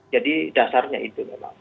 jadi dasarnya itu memang